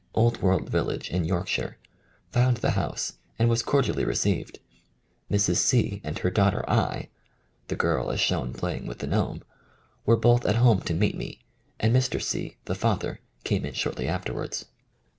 THE FIRST PUBLISHED ACCOUNT a quaint, old world village in Yorkshire, found the house, and was cordially received. Mrs. C. and her daughter I. (the girl as shown playing with the gnome) were both at home to meet me, and Mr. C, the father, came in shortly afterwards.